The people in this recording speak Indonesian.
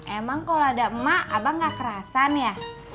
emang kalau ada emak abang nggak kerasan ya